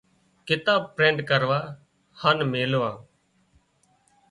ڪتاب پرنٽ ڪروا هانَ ميلوا۔